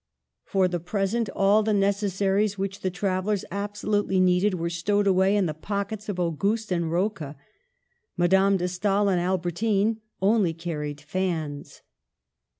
For the present, all the necessaries which the travellers absolutely needed were stowed away in the pockets of Auguste and Rocca ; Madame de Stael and Albertine only carried fans.